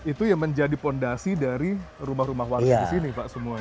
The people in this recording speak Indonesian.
itu yang menjadi fondasi dari rumah rumah warga di sini pak semuanya